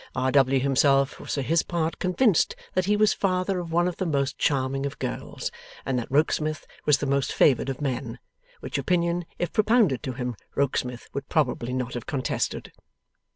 R. W. himself was for his part convinced that he was father of one of the most charming of girls, and that Rokesmith was the most favoured of men; which opinion, if propounded to him, Rokesmith would probably not have contested.